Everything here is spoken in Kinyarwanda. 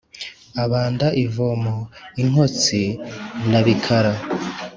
Abanda ivomo i Nkotsi na Bikara